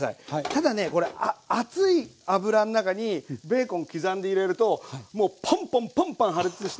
ただねこれ熱い油の中にベーコン刻んで入れるともうポンポンポンポン破裂して。